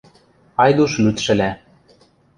Айдуш лӱдшӹлӓ.